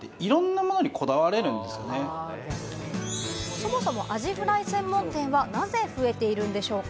そもそもアジフライ専門店はなぜ増えているんでしょうか？